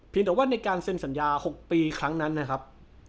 แต่ว่าในการเซ็นสัญญา๖ปีครั้งนั้นนะครับ